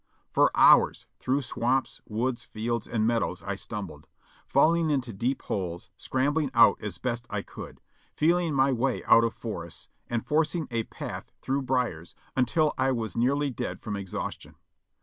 For hours, through swamps, woods, fields, and meadows I stumbled; falling into deep holes, scrambling out as best I could ; feeling my way out of forests, and forcing a path through briers, until I was nearly dead from ex haustion.